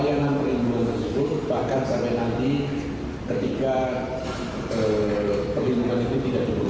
yang kedua adalah perlakuan khusus